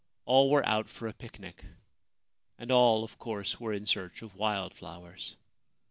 All were out for a picnic, and all, of course, were in search of wild flowers.